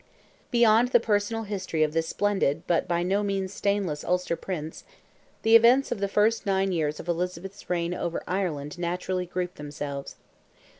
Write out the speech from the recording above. Round the personal history of this splendid, but by no means stainless Ulster Prince, the events of the first nine years of Elizabeth's reign over Ireland naturally group themselves.